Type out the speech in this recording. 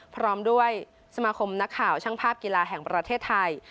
พร้อมด้วยสมาคมนักข่าวช่างภาพกีฬาแห่งประเทศไทย